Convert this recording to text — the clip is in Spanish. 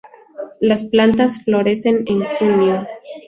Las plantas florecen en junio.